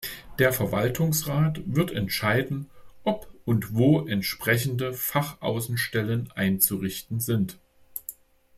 Der Verwaltungsrat wird entscheiden, ob und wo entsprechende Fachaußenstellen einzurichten sind.